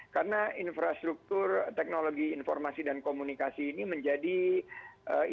karena infrastruktur teknologi informasi dan komunikasi ini menjadi infrastruktur